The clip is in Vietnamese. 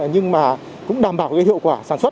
nhưng mà cũng đảm bảo hiệu quả sản xuất